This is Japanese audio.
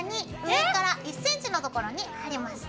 上から１ｃｍの所に貼ります。